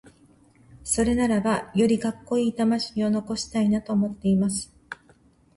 それならば、よりカッコイイ魂を残したいなと思っています。